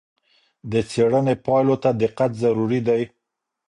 د څېړنې پایلو ته دقت ضروری دی.